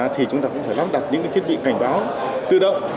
thì chúng ta cũng phải lắp đặt những thiết bị cảnh báo tự động